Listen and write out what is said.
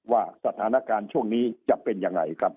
ว่าสถานการณ์ช่วงนี้จะเป็นยังไงครับ